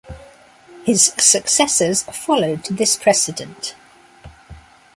His successors followed this precedent.